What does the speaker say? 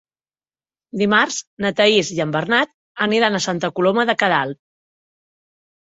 Dimarts na Thaís i en Bernat aniran a Santa Coloma de Queralt.